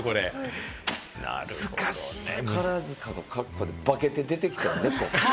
宝塚の格好で化けて出てきた猫？